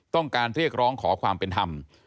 ต้องการเรียกร้องขอความเป็นธรรม